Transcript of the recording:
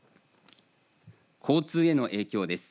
交通への影響です。